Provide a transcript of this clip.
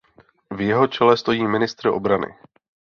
V jeho čele stojí ministr obrany.